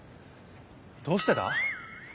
どうしてだ？